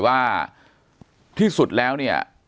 ภาคภูมิ